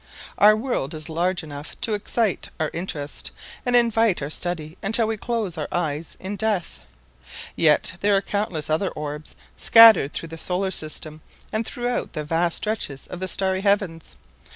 Our world is large enough to excite our interest and invite our study until we close our eyes in death. Yet there are countless other orbs scattered through the solar system and throughout the vast stretches of the starry heavens.